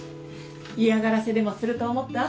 嫌がらせでもすると思った？